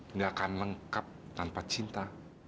nggak akan lengkap tanpa cinta